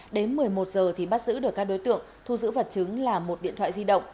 đến một mươi một giờ thì bắt giữ được các đối tượng thu giữ vật chứng là một điện thoại di động